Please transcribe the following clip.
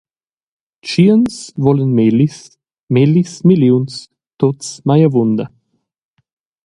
Tschiens vulan mellis, mellis milliuns, tuts mai avunda.